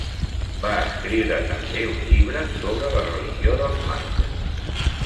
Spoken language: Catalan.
Va escriure també un llibre sobre la religió dels mags.